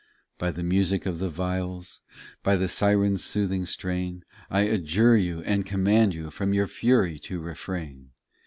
21 By the music of the viols, By the siren s soothing strain, I adjure you and command you From your fury to refrain.